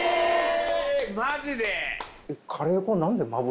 マジで？